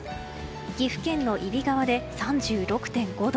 岐阜県の揖斐川で３６．５度。